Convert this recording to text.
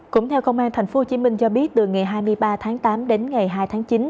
cũng theo công an tp hcm cho biết từ ngày hai mươi ba tháng tám đến ngày hai tháng chín